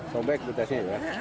sobek tasnya itu